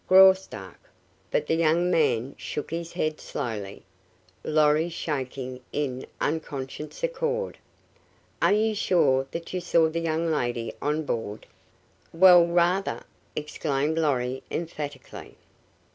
"Graustark." But the young man shook his head slowly, Lorry's shaking in unconscious accord. "Are you sure that you saw the young lady on board?" "Well, rather!" exclaimed Lorry, emphatically.